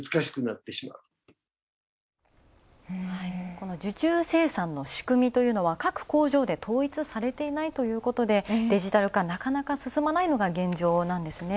この受注生産の仕組みというのは各工場で統一されていないということで、デジタル化はなかなか進まないのが現状なんですね。